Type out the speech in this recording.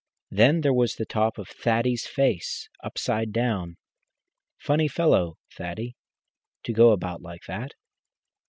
Then there was the top of Thaddy's face upside down. Funny fellow, Thaddy, to go about like that!